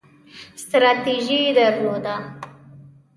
ستراتیژي درلوده